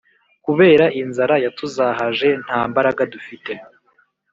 kubera inzara yatuzahaje ntambaraga dufite